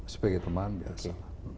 sebagai teman biasa